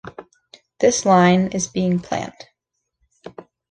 This line is being planned.